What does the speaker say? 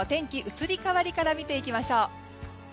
移り変わりから見ていきましょう。